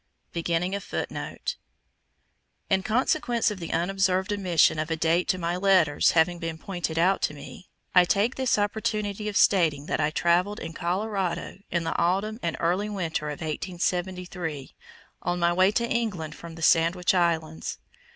In consequence of the unobserved omission of a date to my letters having been pointed out to me, I take this opportunity of stating that I traveled in Colorado in the autumn and early winter of 1873, on my way to England from the Sandwich Islands.